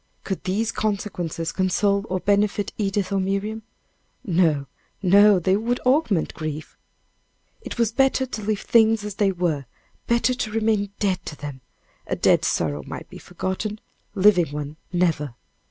Could these consequences console or benefit Edith or Miriam? No, no, they would augment grief. It was better to leave things as they were better to remain dead to them a dead sorrow might be forgotten living one never!